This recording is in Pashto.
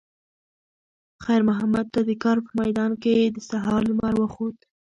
خیر محمد ته د کار په میدان کې د سهار لمر وخوت.